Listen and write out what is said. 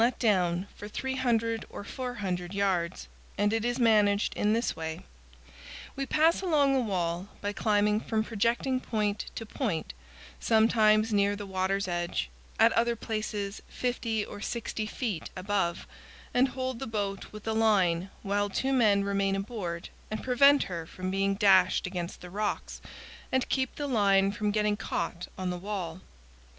August 15. This morning we find we can let down for 300 or 400 yards, and it is managed in this way: we pass along the wall by climbing from projecting point to point, sometimes near the water's edge, at other places 50 or 60 feet above, and hold the boat with a line while two men remain aboard and prevent her from being dashed against the rocks and keep the line from getting caught on the wall.